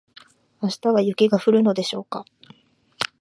明日は雪が降るのでしょうか